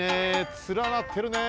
つらなってるねえ。